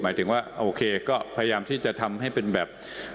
หมายถึงว่าโอเคก็พยายามที่จะทำให้เป็นแบบ